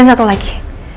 dan satu lagi